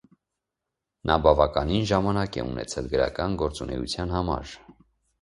Նա բավականին ժամանակ է ունեցել գրական գործունեության համար։